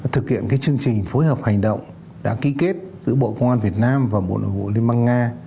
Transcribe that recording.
thực hiện chương trình phối hợp hành động đã ký kết giữa bộ công an việt nam và bộ nội vụ liên bang nga